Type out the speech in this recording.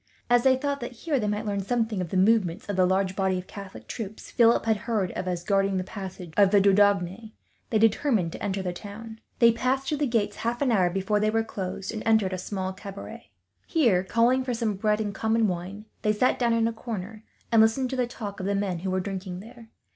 As they thought that here they might learn something, of the movements of the large body of Catholic troops Philip had heard of as guarding the passages of the Dordogne, they determined to enter the town. They passed through the gates, half an hour before they were closed, and entered a small cabaret. Here, calling for some bread and common wine, they sat down in a corner, and listened to the talk of the men who were drinking there.